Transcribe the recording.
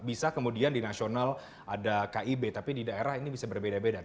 bisa kemudian di nasional ada kib tapi di daerah ini bisa berbeda beda